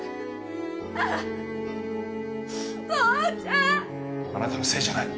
ああこうちゃん！あなたのせいじゃない！